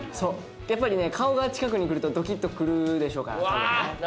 やっぱりね顔が近くに来るとドキッとくるでしょうから。